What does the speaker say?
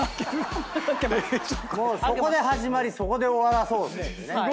もうそこで始まりそこで終わらそうっていうね。